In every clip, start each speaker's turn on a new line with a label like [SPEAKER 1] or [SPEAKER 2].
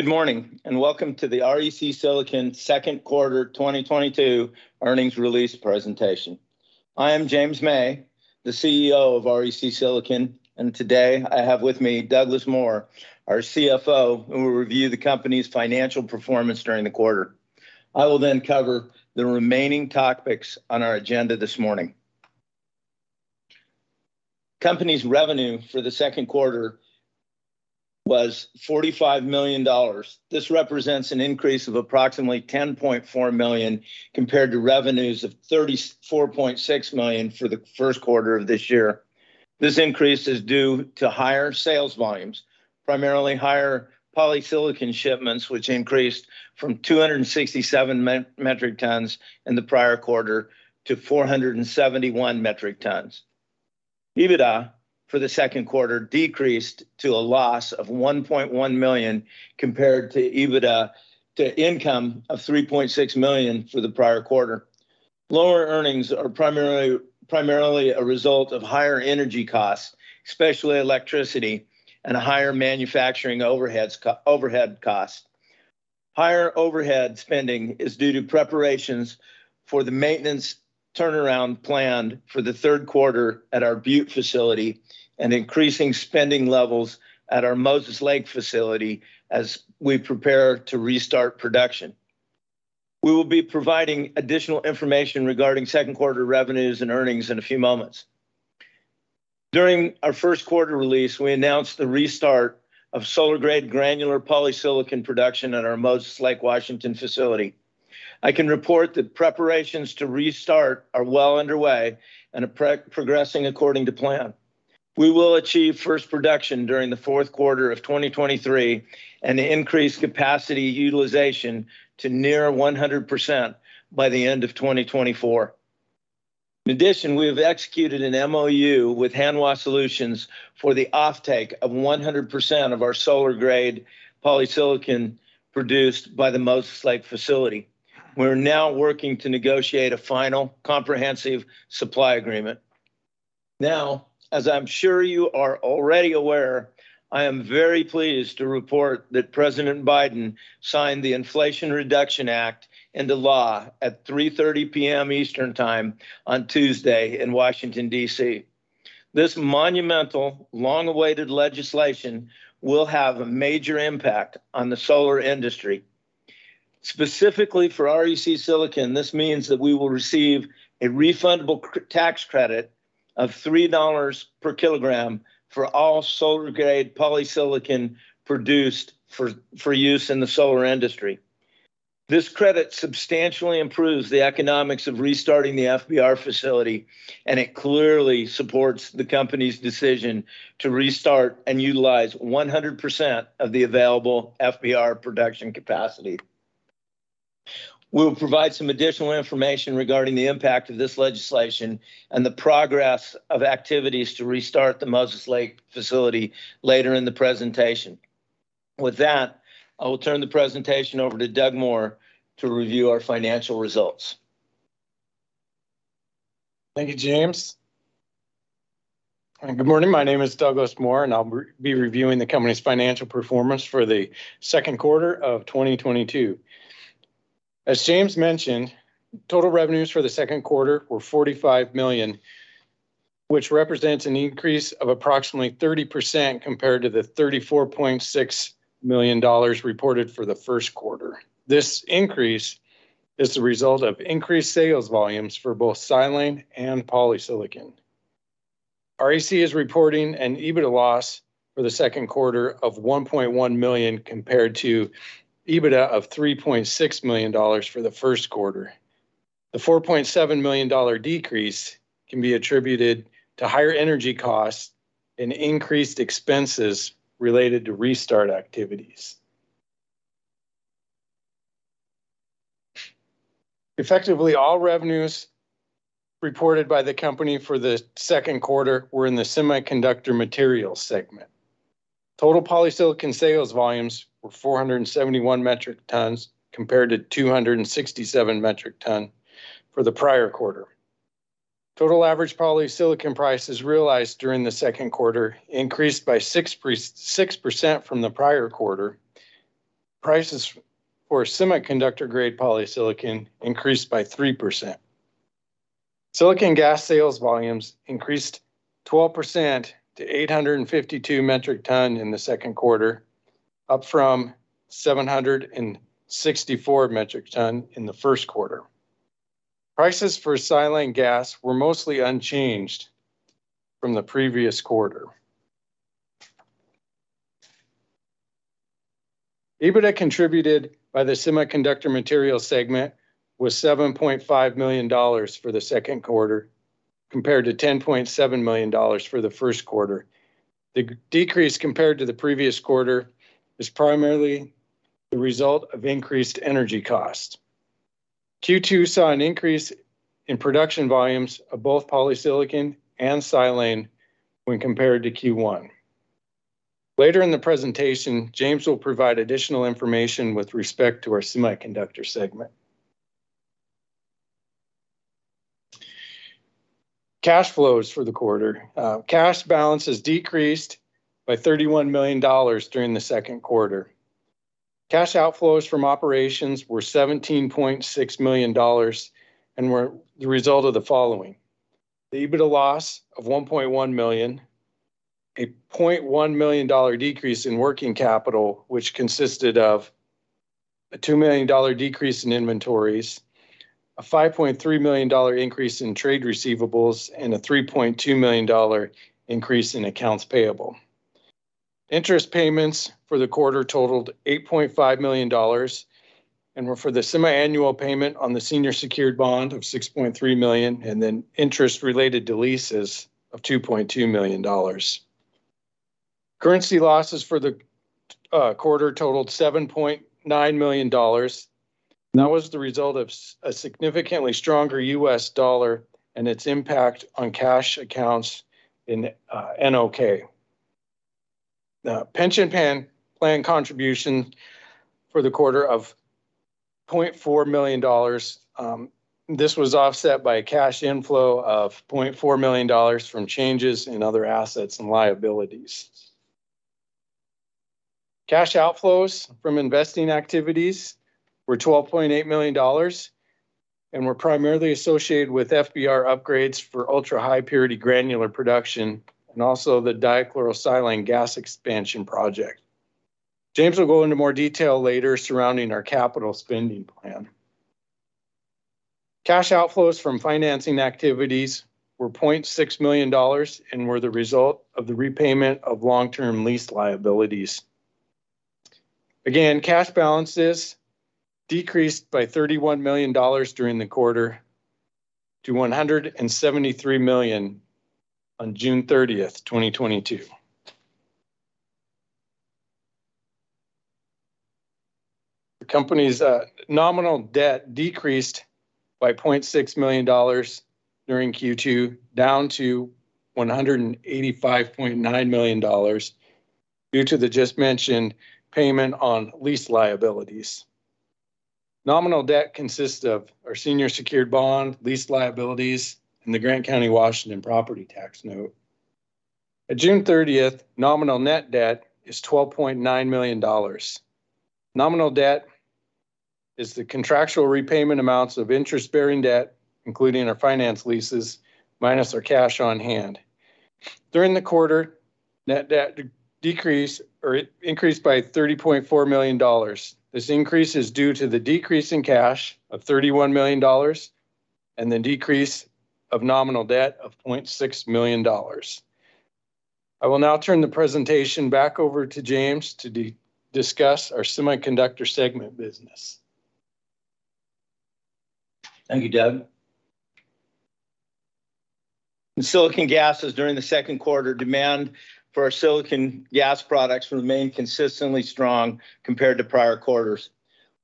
[SPEAKER 1] Good morning, and welcome to the REC Silicon second quarter 2022 earnings release presentation. I am James May, the Chief Executive Officer of REC Silicon, and today I have with me Douglas Moore, our Chief Financial Officer, who will review the company's financial performance during the quarter. I will then cover the remaining topics on our agenda this morning. Company's revenue for the second quarter was $45 million. This represents an increase of approximately $10.4 million compared to revenues of $34.6 million for the first quarter of this year. This increase is due to higher sales volumes, primarily higher polysilicon shipments, which increased from 267 metric tons in the prior quarter to 471 metric tons. EBITDA for the second quarter decreased to a loss of $1.1 million compared to EBITDA income of $3.6 million for the prior quarter. Lower earnings are primarily a result of higher energy costs, especially electricity and higher manufacturing overhead costs. Higher overhead spending is due to preparations for the maintenance turnaround planned for the third quarter at our Butte facility and increasing spending levels at our Moses Lake facility as we prepare to restart production. We will be providing additional information regarding second quarter revenues and earnings in a few moments. During our first quarter release, we announced the restart of solar-grade granular polysilicon production at our Moses Lake, Washington facility. I can report that preparations to restart are well underway and are progressing according to plan. We will achieve first production during the fourth quarter of 2023 and increase capacity utilization to near 100% by the end of 2024. In addition, we have executed an Memorandum of Understanding with Hanwha Solutions for the offtake of 100% of our solar-grade polysilicon produced by the Moses Lake facility. We're now working to negotiate a final comprehensive supply agreement. Now, as I'm sure you are already aware, I am very pleased to report that President Biden signed the Inflation Reduction Act into law at 3:30 P.M. Eastern time on Tuesday in Washington, D.C. This monumental, long-awaited legislation will have a major impact on the solar industry. Specifically for REC Silicon, this means that we will receive a refundable tax credit of $3/kg for all solar-grade polysilicon produced for use in the solar industry. This credit substantially improves the economics of restarting the FBR facility, and it clearly supports the company's decision to restart and utilize 100% of the available FBR production capacity. We'll provide some additional information regarding the impact of this legislation and the progress of activities to restart the Moses Lake facility later in the presentation. With that, I will turn the presentation over to Doug Moore to review our financial results.
[SPEAKER 2] Thank you, James. Good morning. My name is Douglas Moore, and I'll be reviewing the company's financial performance for the second quarter of 2022. As James mentioned, total revenues for the second quarter were $45 million, which represents an increase of approximately 30% compared to the $34.6 million reported for the first quarter. This increase is the result of increased sales volumes for both silane and polysilicon. REC is reporting an EBITDA loss for the second quarter of $1.1 million compared to EBITDA of $3.6 million for the first quarter. The $4.7 million decrease can be attributed to higher energy costs and increased expenses related to restart activities. Effectively, all revenues reported by the company for the second quarter were in the semiconductor materials segment. Total polysilicon sales volumes were 471 metric tons compared to 267 metric tons for the prior quarter. Total average polysilicon prices realized during the second quarter increased by 6% from the prior quarter. Prices for semiconductor-grade polysilicon increased by 3%. Silicon gas sales volumes increased 12% to 852 metric tons in the second quarter, up from 764 metric tons in the first quarter. Prices for silane gas were mostly unchanged from the previous quarter. EBITDA contributed by the semiconductor materials segment was $7.5 million for the second quarter, compared to $10.7 million for the first quarter. The decrease compared to the previous quarter is primarily the result of increased energy costs. Q2 saw an increase in production volumes of both polysilicon and silane when compared to Q1. Later in the presentation, James will provide additional information with respect to our semiconductor segment. Cash flows for the quarter. Cash balance has decreased by $31 million during the second quarter. Cash outflows from operations were $17.6 million and were the result of the following. The EBITDA loss of $1.1 million, a $0.1 million decrease in working capital, which consisted of a $2 million decrease in inventories, a $5.3 million increase in trade receivables, and a $3.2 million increase in accounts payable. Interest payments for the quarter totaled $8.5 million and were for the semiannual payment on the senior secured bond of $6.3 million, and then interest related to leases of $2.2 million. Currency losses for the quarter totaled $7.9 million. That was the result of a significantly stronger U.S.$ and its impact on cash accounts in NOK. Now, pension plan contribution for the quarter of $0.4 million, this was offset by a cash inflow of $0.4 million from changes in other assets and liabilities. Cash outflows from investing activities were $12.8 million and were primarily associated with FBR upgrades for ultra-high purity granular production and also the dichlorosilane gas expansion project. James will go into more detail later surrounding our capital spending plan. Cash outflows from financing activities were $0.6 million and were the result of the repayment of long-term lease liabilities. Cash balances decreased by $31 million during the quarter to $173 million on June 30th, 2022. The company's nominal debt decreased by $0.6 million during Q2, down to $185.9 million due to the just mentioned payment on lease liabilities. Nominal debt consists of our senior secured bond, lease liabilities, and the Grant County, Washington property tax note. At June 30th, nominal net debt is $12.9 million. Nominal debt is the contractual repayment amounts of interest-bearing debt, including our finance leases minus our cash on hand. During the quarter, net debt decreased or increased by $30.4 million. This increase is due to the decrease in cash of $31 million and the decrease of nominal debt of $0.6 million. I will now turn the presentation back over to James to discuss our semiconductor segment business.
[SPEAKER 1] Thank you, Doug. In silicon gases during the second quarter, demand for our silicon gas products remained consistently strong compared to prior quarters.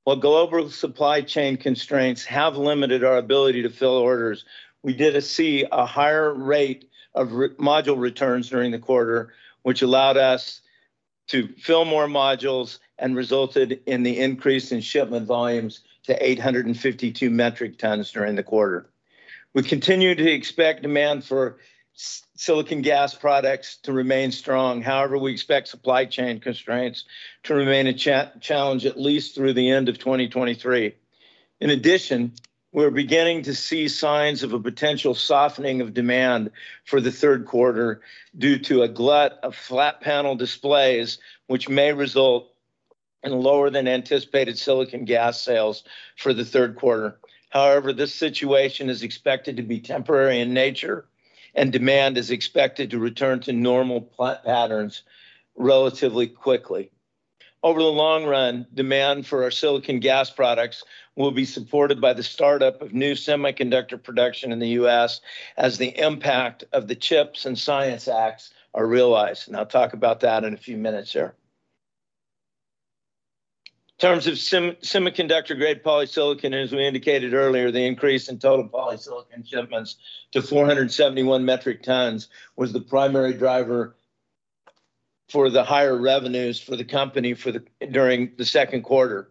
[SPEAKER 1] While global supply chain constraints have limited our ability to fill orders, we did see a higher rate of module returns during the quarter, which allowed us to fill more modules and resulted in the increase in shipment volumes to 852 metric tons during the quarter. We continue to expect demand for silicon gas products to remain strong. However, we expect supply chain constraints to remain a challenge at least through the end of 2023. In addition, we're beginning to see signs of a potential softening of demand for the third quarter due to a glut of flat-panel displays, which may result in lower than anticipated silicon gas sales for the third quarter. However, this situation is expected to be temporary in nature, and demand is expected to return to normal patterns relatively quickly. Over the long run, demand for our silicon gas products will be supported by the startup of new semiconductor production in the U.S. as the impact of the CHIPS and Science Act are realized, and I'll talk about that in a few minutes here. In terms of semiconductor-grade polysilicon, as we indicated earlier, the increase in total polysilicon shipments to 471 metric tons was the primary driver for the higher revenues for the company during the second quarter.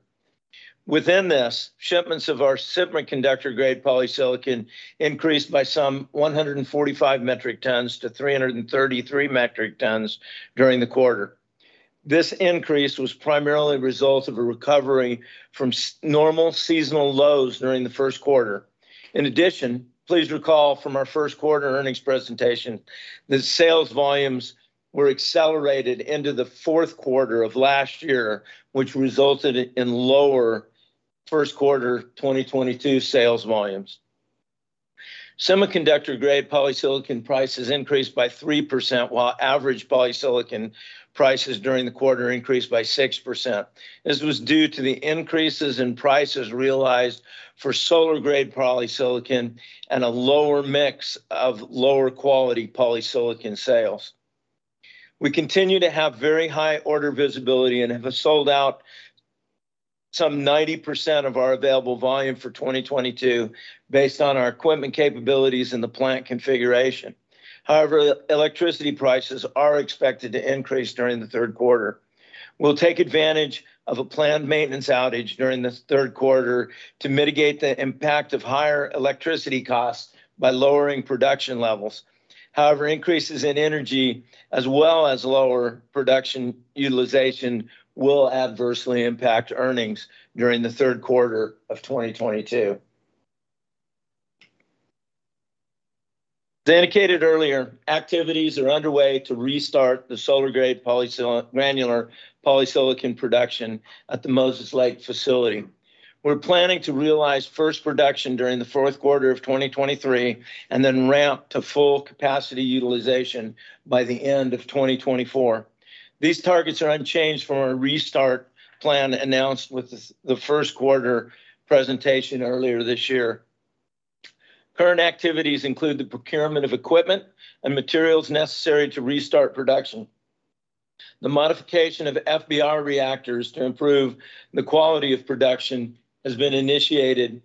[SPEAKER 1] Within this, shipments of our semiconductor-grade polysilicon increased by some 145 metric tons-333 metric tons during the quarter. This increase was primarily a result of a recovery from normal seasonal lows during the first quarter. In addition, please recall from our first quarter earnings presentation, the sales volumes were accelerated into the fourth quarter of last year, which resulted in lower first quarter 2022 sales volumes. Semiconductor-grade polysilicon prices increased by 3%, while average polysilicon prices during the quarter increased by 6%. This was due to the increases in prices realized for solar-grade polysilicon and a lower mix of lower quality polysilicon sales. We continue to have very high order visibility and have sold out some 90% of our available volume for 2022 based on our equipment capabilities in the plant configuration. However, electricity prices are expected to increase during the third quarter. We'll take advantage of a planned maintenance outage during this third quarter to mitigate the impact of higher electricity costs by lowering production levels. However, increases in energy as well as lower production utilization will adversely impact earnings during the third quarter of 2022. As indicated earlier, activities are underway to restart the solar-grade granular polysilicon production at the Moses Lake facility. We're planning to realize first production during the fourth quarter of 2023 and then ramp to full capacity utilization by the end of 2024. These targets are unchanged from our restart plan announced with the first quarter presentation earlier this year. Current activities include the procurement of equipment and materials necessary to restart production. The modification of FBR reactors to improve the quality of production has been initiated,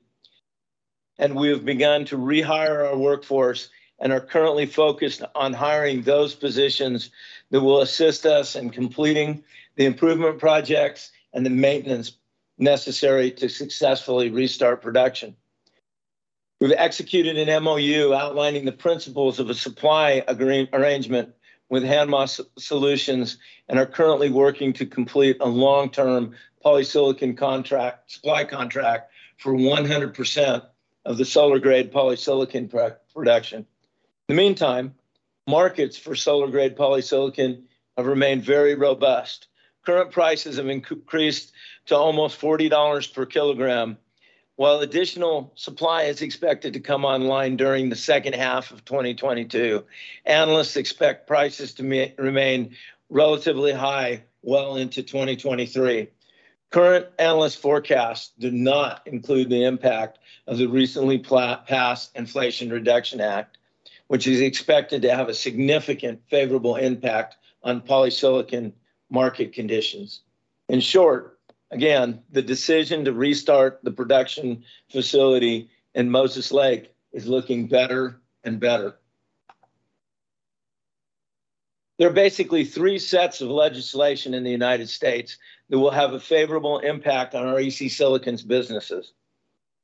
[SPEAKER 1] and we have begun to rehire our workforce and are currently focused on hiring those positions that will assist us in completing the improvement projects and the maintenance necessary to successfully restart production. We've executed an MOU outlining the principles of a supply arrangement with Hanwha Solutions and are currently working to complete a long-term polysilicon supply contract for 100% of the solar-grade polysilicon production. In the meantime, markets for solar-grade polysilicon have remained very robust. Current prices have increased to almost $40/kg. While additional supply is expected to come online during the second half of 2022, analysts expect prices to remain relatively high well into 2023. Current analyst forecasts do not include the impact of the recently passed Inflation Reduction Act, which is expected to have a significant favorable impact on polysilicon market conditions. In short, again, the decision to restart the production facility in Moses Lake is looking better and better. There are basically three sets of legislation in the United States that will have a favorable impact on our REC Silicon's businesses.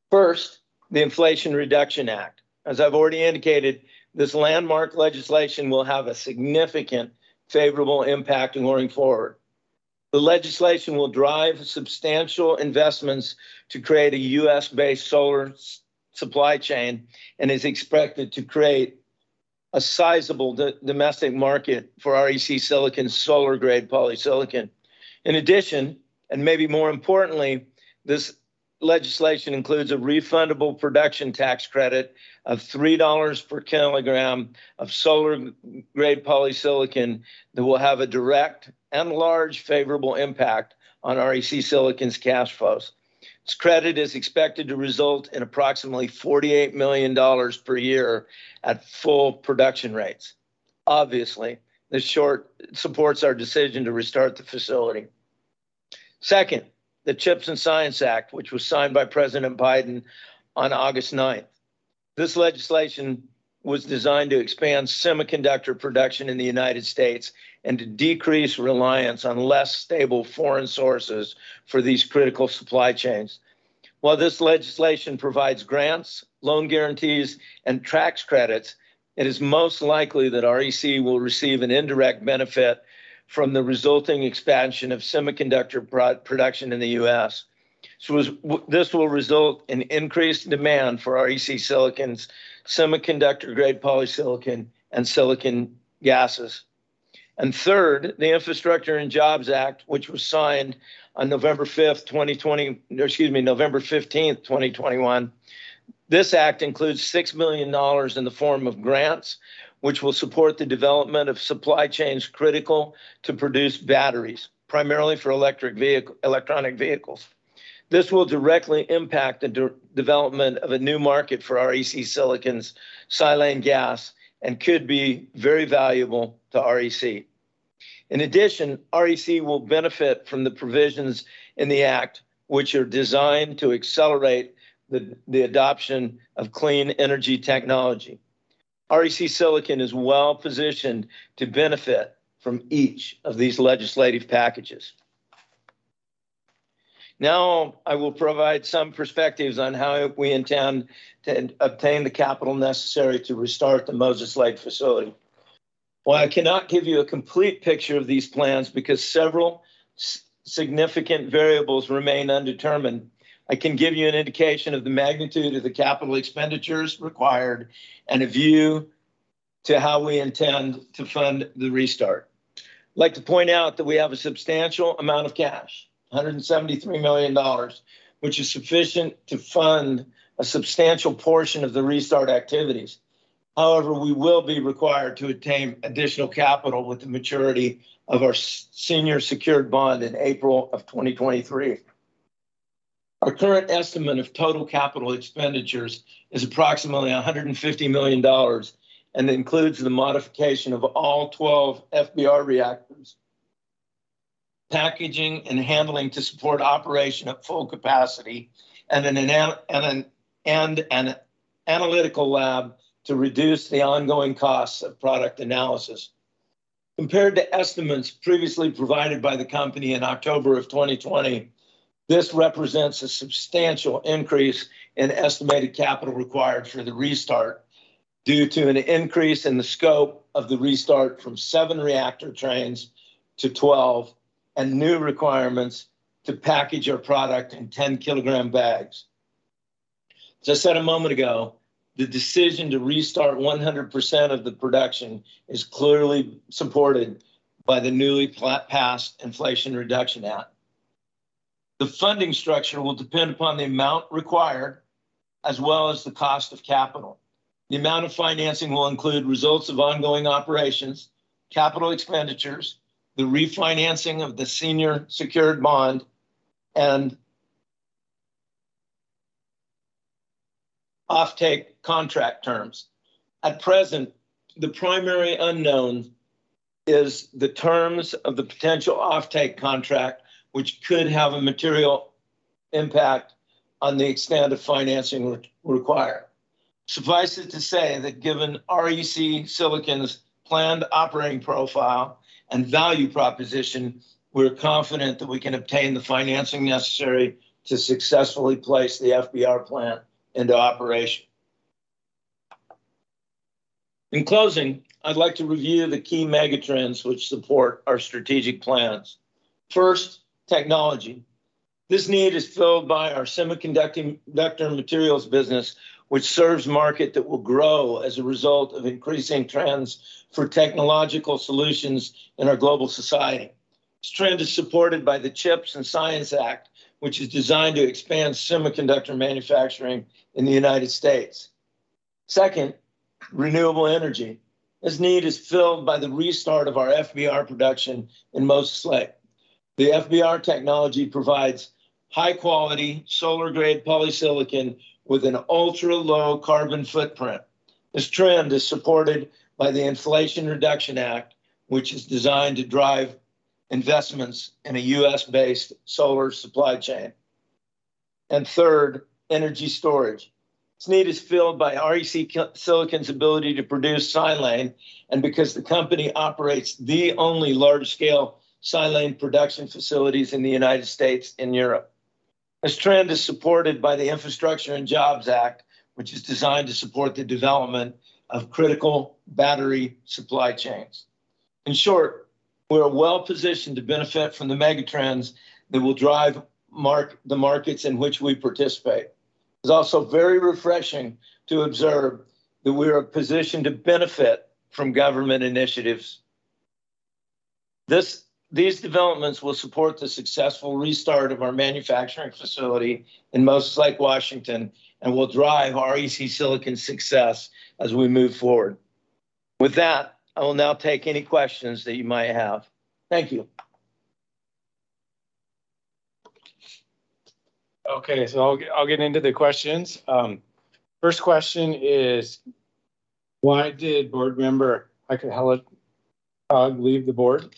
[SPEAKER 1] First, the Inflation Reduction Act. As I've already indicated, this landmark legislation will have a significant favorable impact going forward. The legislation will drive substantial investments to create a U.S.-based solar supply chain and is expected to create a sizable domestic market for REC Silicon's solar grade polysilicon. In addition, and maybe more importantly, this legislation includes a refundable production tax credit of $3/kg of solar grade polysilicon that will have a direct and large favorable impact on REC Silicon's cash flows. This credit is expected to result in approximately $48 million per year at full production rates. Obviously, this supports our decision to restart the facility. Second, the CHIPS and Science Act, which was signed by President Biden on August 9th. This legislation was designed to expand semiconductor production in the United States and to decrease reliance on less stable foreign sources for these critical supply chains. While this legislation provides grants, loan guarantees, and tax credits, it is most likely that REC will receive an indirect benefit from the resulting expansion of semiconductor production in the U.S. This will result in increased demand for REC Silicon's semiconductor-grade polysilicon and silicon gases. Third, the Infrastructure Investment and Jobs Act, which was signed on November 15th, 2021. This act includes $6 million in the form of grants, which will support the development of supply chains critical to produce batteries, primarily for electronic vehicles. This will directly impact the development of a new market for REC Silicon's silane gas and could be very valuable to REC. In addition, REC will benefit from the provisions in the act, which are designed to accelerate the adoption of clean energy technology. REC Silicon is well-positioned to benefit from each of these legislative packages. Now, I will provide some perspectives on how we intend to obtain the capital necessary to restart the Moses Lake facility. While I cannot give you a complete picture of these plans because several significant variables remain undetermined, I can give you an indication of the magnitude of the capital expenditures required and a view to how we intend to fund the restart. I'd like to point out that we have a substantial amount of cash, $173 million, which is sufficient to fund a substantial portion of the restart activities. However, we will be required to attain additional capital with the maturity of our senior secured bond in April of 2023. Our current estimate of total capital expenditures is approximately $150 million and includes the modification of all 12 FBR reactors, packaging and handling to support operation at full capacity and an analytical lab to reduce the ongoing costs of product analysis. Compared to estimates previously provided by the company in October of 2020, this represents a substantial increase in estimated capital required for the restart due to an increase in the scope of the restart from 7 reactor trains-12 reactor trains and new requirements to package our product in 10-kilogram bags. As I said a moment ago, the decision to restart 100% of the production is clearly supported by the newly passed Inflation Reduction Act. The funding structure will depend upon the amount required as well as the cost of capital. The amount of financing will include results of ongoing operations, capital expenditures, the refinancing of the senior secured bond and offtake contract terms. At present, the primary unknown is the terms of the potential offtake contract, which could have a material impact on the extent of financing required. Suffice it to say that given REC Silicon's planned operating profile and value proposition, we're confident that we can obtain the financing necessary to successfully place the FBR plant into operation. In closing, I'd like to review the key megatrends which support our strategic plans. First, technology. This need is filled by our semiconductor materials business, which serves market that will grow as a result of increasing trends for technological solutions in our global society. This trend is supported by the CHIPS and Science Act, which is designed to expand semiconductor manufacturing in the United States. Second, renewable energy. This need is filled by the restart of our FBR production in Moses Lake. The FBR technology provides high quality solar-grade polysilicon with an ultra-low carbon footprint. This trend is supported by the Inflation Reduction Act, which is designed to drive investments in a U.S.-based solar supply chain. Third, energy storage. This need is filled by REC Silicon's ability to produce silane and because the company operates the only large scale silane production facilities in the United States and Europe. This trend is supported by the Infrastructure Investment and Jobs Act, which is designed to support the development of critical battery supply chains. In short, we're well-positioned to benefit from the megatrends that will drive the markets in which we participate. It's also very refreshing to observe that we're positioned to benefit from government initiatives. These developments will support the successful restart of our manufacturing facility in Moses Lake, Washington and will drive REC Silicon's success as we move forward. With that, I will now take any questions that you might have. Thank you.
[SPEAKER 2] Okay. I'll get into the questions. First question is, why did Board Member Heike Heiligtag leave the board?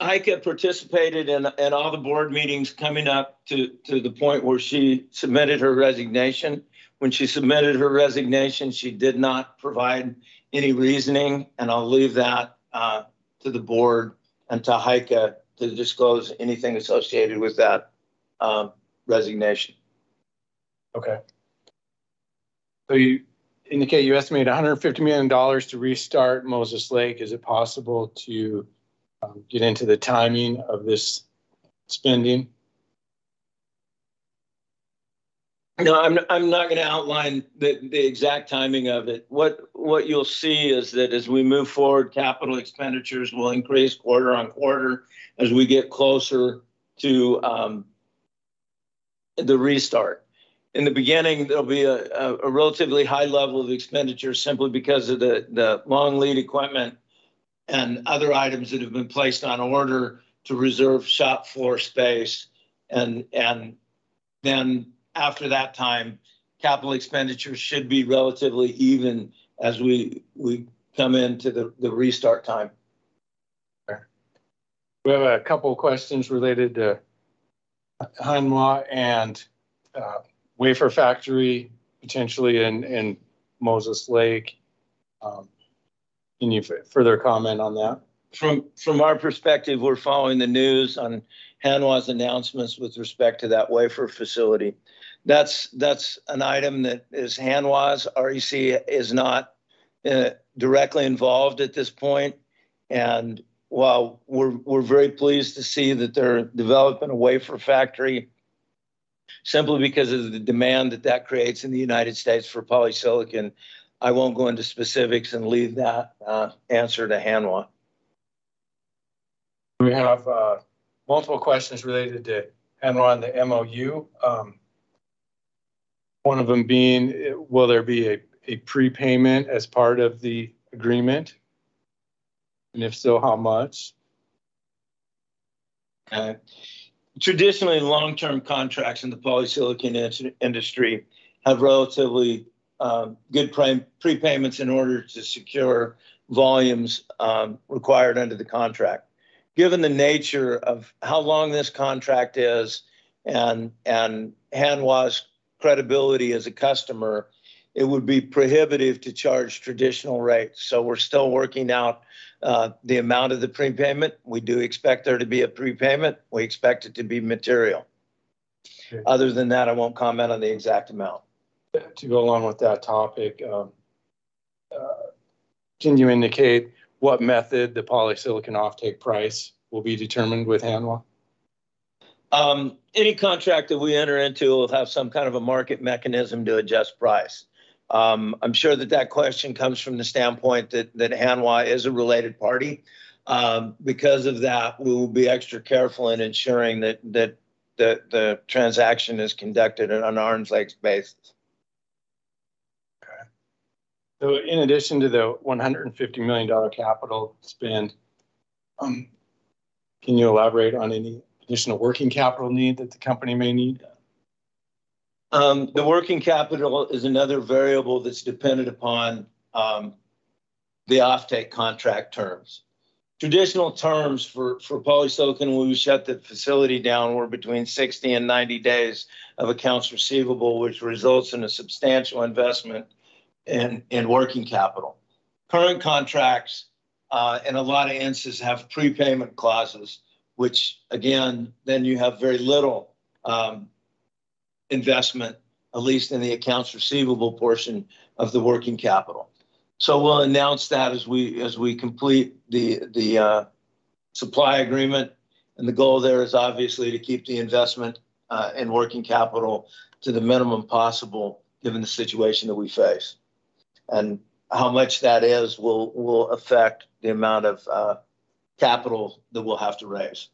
[SPEAKER 1] Heike participated in all the board meetings coming up to the point where she submitted her resignation. When she submitted her resignation, she did not provide any reasoning, and I'll leave that to the board and to Heike to disclose anything associated with that resignation.
[SPEAKER 2] Okay. You indicate you estimate $150 million to restart Moses Lake. Is it possible to get into the timing of this spending?
[SPEAKER 1] No. I'm not gonna outline the exact timing of it. What you'll see is that as we move forward, capital expenditures will increase quarter-on-quarter as we get closer to the restart. In the beginning, there'll be a relatively high level of expenditure simply because of the long lead equipment and other items that have been placed on order to reserve shop floor space, and then after that time, capital expenditures should be relatively even as we come into the restart time.
[SPEAKER 2] We have a couple questions related to Hanwha and wafer factory potentially in Moses Lake. Any further comment on that?
[SPEAKER 1] From our perspective, we're following the news on Hanwha's announcements with respect to that wafer facility. That's an item that is Hanwha's. REC is not directly involved at this point. While we're very pleased to see that they're developing a wafer factory simply because of the demand that creates in the United States for polysilicon, I won't go into specifics and leave that answer to Hanwha.
[SPEAKER 2] We have multiple questions related to Hanwha and the Memorandum of Understanding. One of them being, will there be a prepayment as part of the agreement? And if so, how much?
[SPEAKER 1] Traditionally, long-term contracts in the polysilicon industry have relatively good prepayments in order to secure volumes required under the contract. Given the nature of how long this contract is and Hanwha's credibility as a customer, it would be prohibitive to charge traditional rates. We're still working out the amount of the prepayment. We do expect there to be a prepayment. We expect it to be material.
[SPEAKER 2] Okay.
[SPEAKER 1] Other than that, I won't comment on the exact amount.
[SPEAKER 2] Yeah. To go along with that topic, can you indicate what method the polysilicon offtake price will be determined with Hanwha?
[SPEAKER 1] Any contract that we enter into will have some kind of a market mechanism to adjust price. I'm sure that question comes from the standpoint that Hanwha is a related party. Because of that, we will be extra careful in ensuring that the transaction is conducted on an arm's length basis.
[SPEAKER 2] In addition to the $150 million capital spend, can you elaborate on any additional working capital need that the company may need?
[SPEAKER 1] The working capital is another variable that's dependent upon the offtake contract terms. Traditional terms for polysilicon when we shut the facility down were between 60 days and 90 days of accounts receivable, which results in a substantial investment in working capital. Current contracts and a lot of contracts have prepayment clauses, which again then you have very little investment, at least in the accounts receivable portion of the working capital. We'll announce that as we complete the supply agreement, and the goal there is obviously to keep the investment in working capital to the minimum possible given the situation that we face. How much that is will affect the amount of capital that we'll have to raise.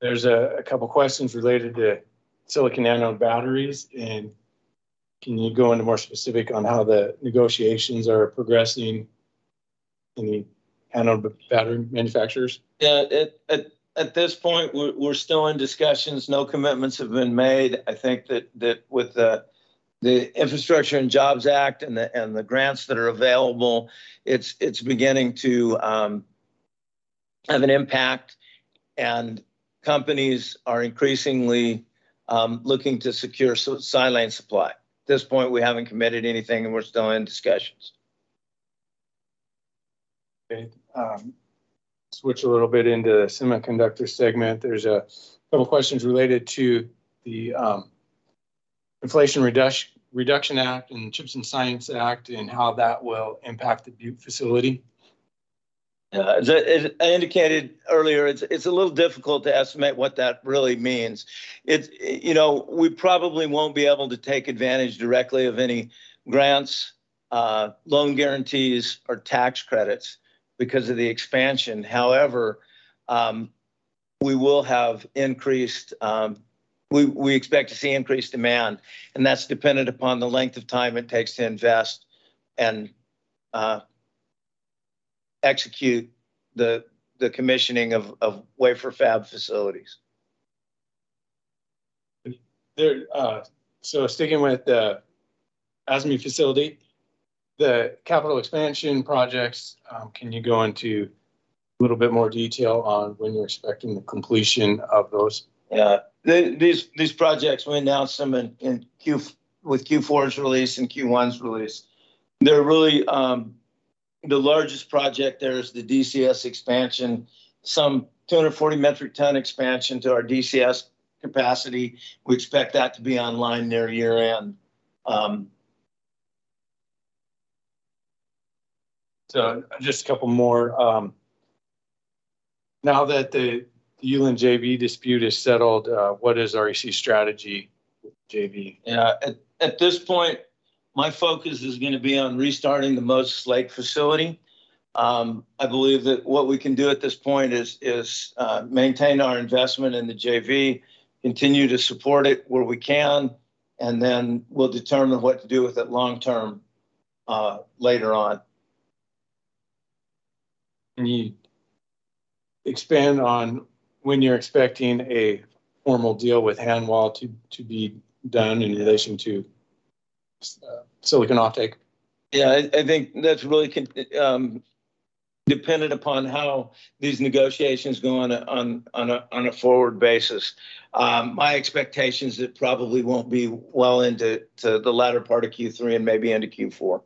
[SPEAKER 2] There's a couple questions related to silicon anode batteries, and can you go into more specifics on how the negotiations are progressing with the anode battery manufacturers?
[SPEAKER 1] Yeah. At this point we're still in discussions. No commitments have been made. I think that with the Infrastructure Investment and Jobs Act and the grants that are available, it's beginning to have an impact, and companies are increasingly looking to secure silane supply. At this point, we haven't committed anything, and we're still in discussions.
[SPEAKER 2] Okay. Switch a little bit into semiconductor segment. There's a couple questions related to the Inflation Reduction Act and CHIPS and Science Act and how that will impact the Butte facility.
[SPEAKER 1] As I indicated earlier, it's a little difficult to estimate what that really means. You know, we probably won't be able to take advantage directly of any grants, loan guarantees or tax credits because of the expansion. However, we expect to see increased demand, and that's dependent upon the length of time it takes to invest and execute the commissioning of wafer fab facilities.
[SPEAKER 2] Sticking with the Butte facility, the capital expansion projects, can you go into a little bit more detail on when you're expecting the completion of those?
[SPEAKER 1] Yeah. These projects, we announced them in Q4's release and Q1's release. They're really the largest project there is the DCS expansion, some 240 metric ton expansion to our DCS capacity. We expect that to be online near year-end.
[SPEAKER 2] Just a couple more. Now that the Yulin JV dispute is settled, what is REC strategy with JV?
[SPEAKER 1] Yeah. At this point, my focus is gonna be on restarting the Moses Lake facility. I believe that what we can do at this point is maintain our investment in the JV, continue to support it where we can, and then we'll determine what to do with it long term, later on.
[SPEAKER 2] Can you expand on when you're expecting a formal deal with Hanwha to be done in relation to silicon offtake?
[SPEAKER 1] Yeah. I think that's really contingent upon how these negotiations go on a forward basis. My expectation is it probably won't be well into the latter part of Q3 and maybe into Q4.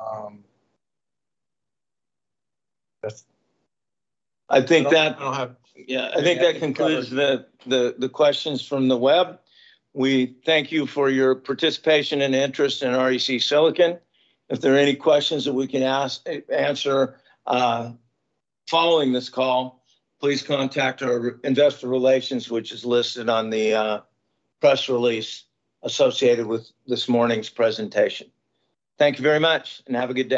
[SPEAKER 2] Um, that's-
[SPEAKER 1] I think that-
[SPEAKER 2] I don't have. Yeah.
[SPEAKER 1] I think that concludes the questions from the web. We thank you for your participation and interest in REC Silicon. If there are any questions that we can answer following this call, please contact our investor relations, which is listed on the press release associated with this morning's presentation. Thank you very much, and have a good day.